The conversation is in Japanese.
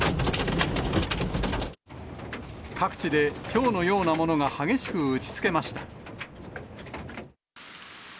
各地でひょうのようなものが激しく打ちつけました。